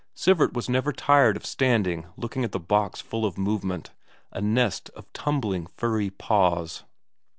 Sivert was never tired of standing looking at the box full of movement, a nest of tumbling furry paws.